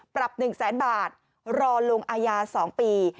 ปรับ๑๐๐๐๐๐บาทรอลงอายา๒ปี